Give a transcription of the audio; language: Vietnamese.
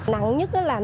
nặng nhất là lạnh